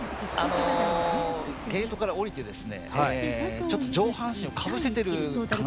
ゲートから降りてちょっと上半身をかぶせてるかな。